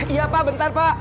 iya pak bentar pak